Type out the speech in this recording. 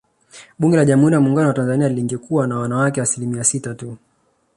Bunge la Jamhuri ya Muungano wa Tanzania lingekuwa na wanawake asilimia sita tu